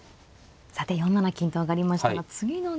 さて４七金と上がりましたが次の狙いは。